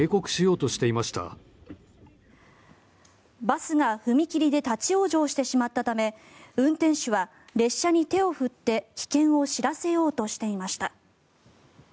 バスが踏切で立ち往生してしまったため運転手は列車に手を振って危険を知らせようとしていました。